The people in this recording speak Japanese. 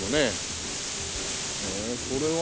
へえこれは？